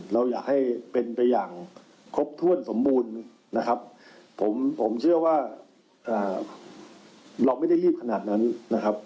เราอยากให้เป็นไปอย่างครบถ้วนสมบูรณ์นะครับผมเชื่อว่าเราไม่ได้รีบขนาดนั้นนะครับ